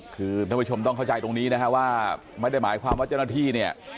คือท่านผู้ชมต้องเข้าใจตรงนี้นะฮะว่าไม่ได้หมายความว่าเจ้าหน้าที่เนี่ย